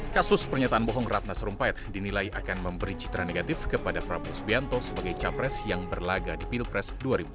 kasus pernyataan bohong rupnas rumpait dinilai akan memberi citra negatif kepada prabowo sbianto sebagai capres yang berlaga di pilpres dua ribu sembilan belas